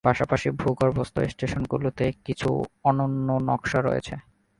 পাশাপাশি ভূগর্ভস্থ স্টেশনগুলিতে কিছু অনন্য নকশা রয়েছে।